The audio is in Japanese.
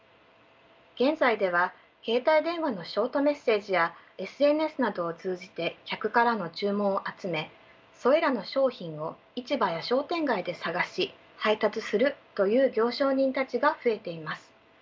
現在では携帯電話のショートメッセージやＳＮＳなどを通じて客からの注文を集めそれらの商品を市場や商店街で探し配達するという行商人たちが増えています。